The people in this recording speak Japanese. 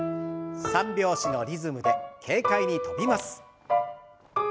３拍子のリズムで軽快に跳びます。